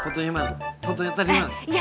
tadi kan fotonya tadi